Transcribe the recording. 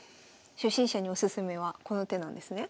初心者におすすめはこの手なんですね？